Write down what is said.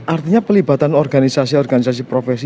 artinya pelibatan organisasi organisasi profesi